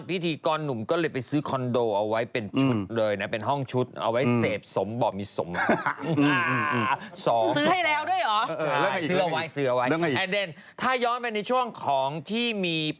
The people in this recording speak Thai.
เปิดไลน์ดูใช่ไหม